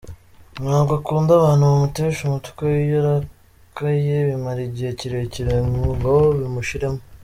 Ntabwo akunda abantu bamutesha umutwe, iyo arakaye bimara igihe kirekire ngo bimushiremo.